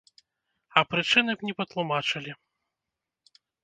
А прычыны не патлумачылі.